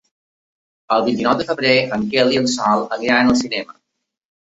El vint-i-nou de febrer en Quel i en Sol aniran al cinema.